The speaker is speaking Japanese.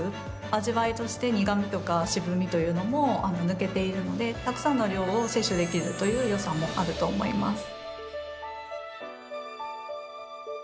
味わいとして苦みとか渋みというのも抜けているのでたくさんの量を摂取できるというよさもあると思います。